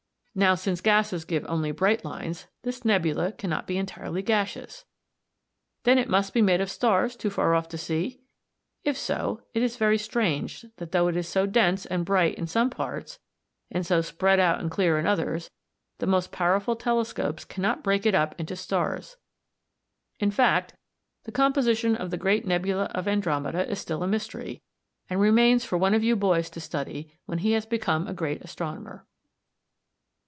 Now, since gases give only bright lines, this nebula cannot be entirely gaseous. Then it must be made of stars too far off to see? If so, it is very strange that though it is so dense and bright in some parts, and so spread out and clear in others, the most powerful telescopes cannot break it up into stars. In fact, the composition of the great nebula of Andromeda is still a mystery, and remains for one of you boys to study when he has become a great astronomer.